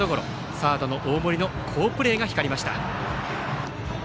サードの大森の好プレーが光りました。